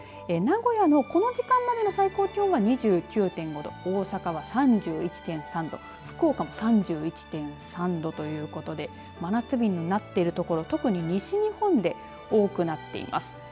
名古屋の、この時間までの最高気温は２９．５度大阪は３１．３度福岡も３１．３度ということで真夏日になっている所